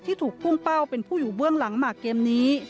ถูกพุ่งเป้าเป็นผู้อยู่เบื้องหลังหมากเกมนี้